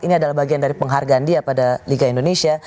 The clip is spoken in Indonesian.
ini adalah bagian dari penghargaan dia pada liga indonesia